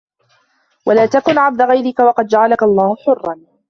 وَلَا تَكُنْ عَبْدَ غَيْرِك وَقَدْ جَعَلَك اللَّهُ حُرًّا